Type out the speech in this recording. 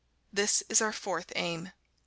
This is our fourth aim. 5.